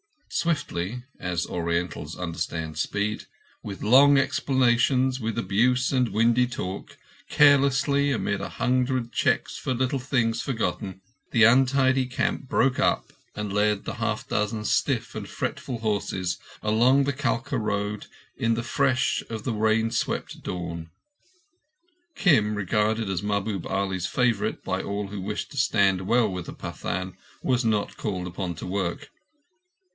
Swiftly—as Orientals understand speed—with long explanations, with abuse and windy talk, carelessly, amid a hundred checks for little things forgotten, the untidy camp broke up and led the half dozen stiff and fretful horses along the Kalka road in the fresh of the rain swept dawn. Kim, regarded as Mahbub Ali's favourite by all who wished to stand well with the Pathan, was not called upon to work.